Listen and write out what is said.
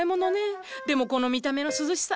でもこの見た目の涼しさ。